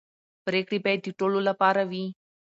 پرېکړې باید د ټولو لپاره وي